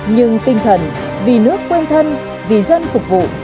nhưng tinh thần vì nước quên thân vì dân phục vụ